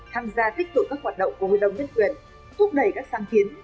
tham gia tích cực các hoạt động của hội đồng nhân quyền thúc đẩy các sáng kiến